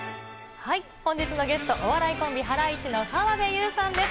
本日のゲスト、お笑いコンビ、ハライチの澤部佑さんです。